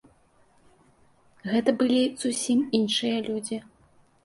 Гэта былі зусім іншыя людзі.